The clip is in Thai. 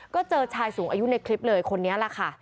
ก็เจอชายสูงอายุในคลิปเลยคนนี้แหละค่ะ